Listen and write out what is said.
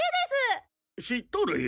知っとるよ。